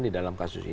di dalam kasus ini